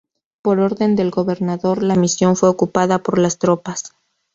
Por orden del gobernador la misión fue ocupada por las tropas.